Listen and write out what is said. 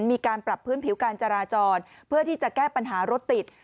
มีการปรับพื้นผิวการจราจรเพื่อที่จะแก้ปัญหารถติด